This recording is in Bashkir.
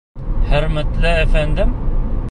— Хөрмәтле әфәндем!